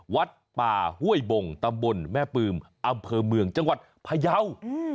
วัดป่าห้วยบงตำบลแม่ปืมอำเภอเมืองจังหวัดพยาว